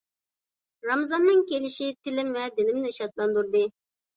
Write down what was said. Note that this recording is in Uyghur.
رامىزاننىڭ كېلىشى تىلىم ۋە دىلىمنى شادلاندۇردى.